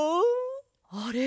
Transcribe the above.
あれ？